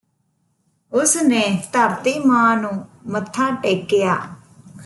ਉਸ ਨੇ ਧਰਤੀ ਮਾਂ ਨੂੰ ਮੱਥਾ ਟੇਕਿਆ